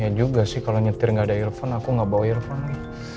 ya juga sih kalo nyetir gak ada earphone aku gak bawa earphone